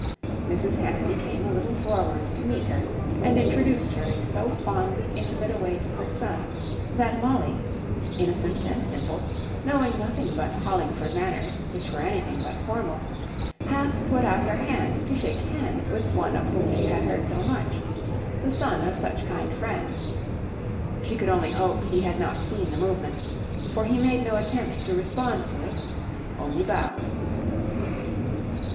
Mrs. Hamley came a little forwards to meet her, and introduced her in so fondly intimate a way to her son, that Molly, innocent and simple, knowing nothing but Hollingford manners, which were anything but formal, half put out her hand to shake hands with one of whom she had heard so much the son of such kind friends. She could only hope he had not seen the movement, for he made no attempt to respond to it; only bowed.